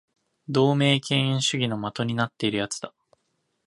同盟敬遠主義の的になっている奴だ